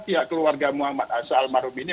pihak keluarga muhammad almarhum ini